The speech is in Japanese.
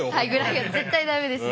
絶対ダメですね。